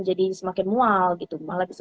jadi semakin mual gitu malah bisa